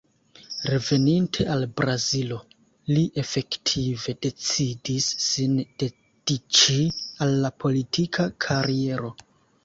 Reveninte al Brazilo, li efektive decidis sin dediĉi al la politika kariero.